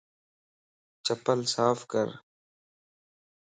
چپل صاف ڪر